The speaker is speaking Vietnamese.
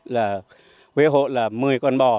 là huyện hộ là một mươi con bò